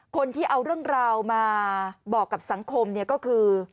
คนที่เอาเรื่องราวมาบอกกับสังคมก็คือ